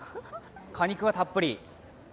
果肉がたっぷり。